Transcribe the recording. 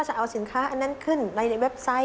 และเข้ามาประสานกับเขาว่าเขาจะเอาสินค้าอันนั้นขึ้นในเว็บไซต์